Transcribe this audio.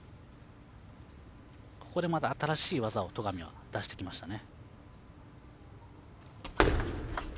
ここでまた新しい技を戸上は出してきましたね。